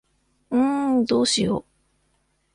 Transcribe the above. んーどうしよ。